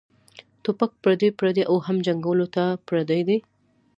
ټوپک پردے پردے او هم جنګــــونه ټول پردي دي